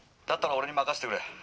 「だったら俺に任せてくれ。